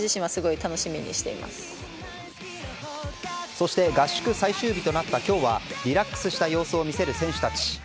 そして合宿最終日となった今日はリラックスした様子を見せる選手たち。